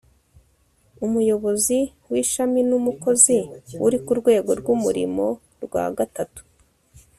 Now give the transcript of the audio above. umuyobozi w'ishami n'umukozi uri ku rwego rw'umurimo rwa gatatu